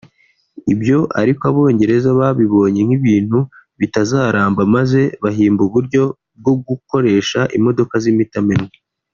Ibyo ariko Abongereza babibonye nk’ibintu bitazaramba maze bahimba ubu buryo bwo gukoresha imodoka z’imitamenwa